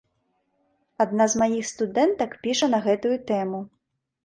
Адна з маіх студэнтак піша на гэтую тэму.